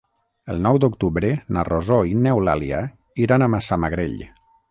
El nou d'octubre na Rosó i n'Eulàlia iran a Massamagrell.